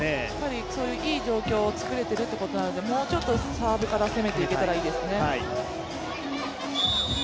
そういう、いい状況を作れているということなので、もうちょっとサーブから攻めていけたらいいですね。